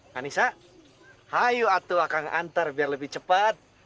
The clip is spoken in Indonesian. kanisa hayu atu akan antar biar lebih cepat